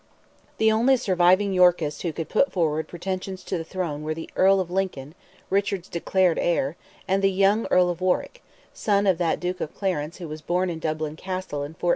The only surviving Yorkists who could put forward pretensions to the throne were the Earl of Lincoln, Richard's declared heir, and the young Earl of Warwick, son of that Duke of Clarence who was born in Dublin Castle in 1449.